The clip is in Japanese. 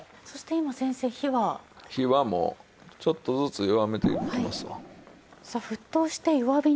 そして今先生火は？火はもうちょっとずつ弱めていきますわ。